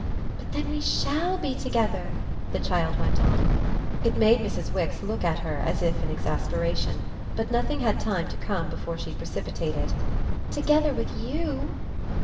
"But then we SHALL be together!" the child went on. It made Mrs. Wix look at her as if in exasperation; but nothing had time to come before she precipitated: "Together with YOU!"